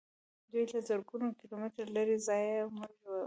دوی له زرګونو کیلو مترو لیرې ځایه موږ ولي.